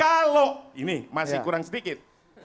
kalau ini masih kurang sedikit